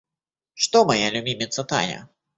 Что моя любимица Таня?